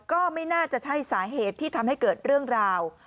ก็ไม่น่าจะใช่สาเหตุที่ทำให้เกิดเรื่องราว